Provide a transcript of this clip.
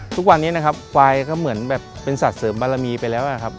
ทุกวันนี้นะครับควายก็เหมือนแบบเป็นสัตว์เสริมบารมีไปแล้วนะครับ